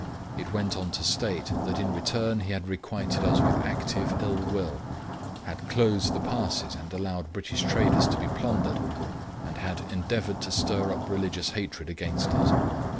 It went on to state, that in return he had requited us with active ill will; had closed the passes and allowed British traders to be plundered; and had endeavoured to stir up religious hatred against us.